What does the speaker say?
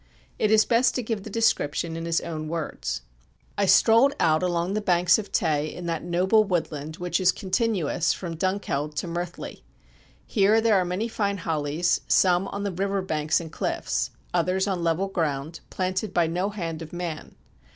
It is best to give the description in his own words: Third Series, p. 60. "I strolled out along the banks of Tay in that noble woodland which is continuous from Dunkeld to Murthly. Here there are many fine hollies, some on the river banks and cliffs, others on level ground, planted by no hand of man.